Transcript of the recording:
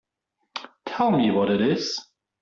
Tell me what it is.